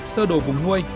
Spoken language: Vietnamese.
sơ đồ vùng nuôi